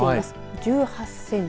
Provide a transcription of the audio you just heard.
１８センチ。